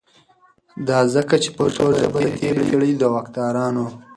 دا ځکه چې پښتو ژبه د تیری پیړۍ دواکدارانو